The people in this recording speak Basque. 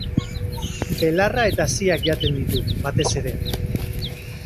Belarra eta haziak jaten ditu, batez ere.